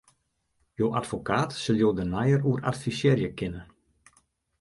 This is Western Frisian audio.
Jo advokaat sil jo dêr neier oer advisearje kinne.